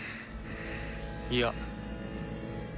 いや。